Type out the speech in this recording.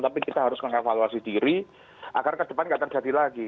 tapi kita harus mengevaluasi diri agar ke depan nggak terjadi lagi